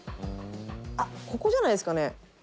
あっここじゃないですかね。